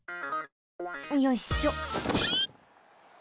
よいしょ。